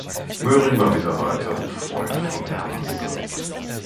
Möhring war Mitarbeiter und Freund von Hermann Luppe.